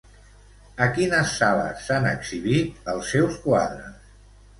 A quines sales s'han exhibit els seus quadres?